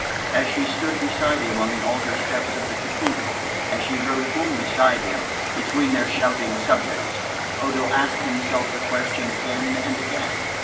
As she stood beside him on the altar steps of the Cathedral, as she rode home beside him between their shouting subjects, Odo asked himself the question again and again.